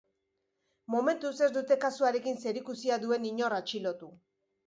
Momentuz ez dute kasuarekin zerikusia duen inor atxilotu.